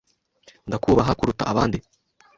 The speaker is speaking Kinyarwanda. Ndakubaha kuruta abandi.